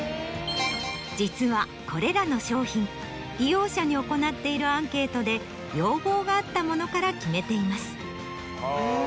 実はこれらの商品利用者に行っているアンケートで要望があったものから決めています。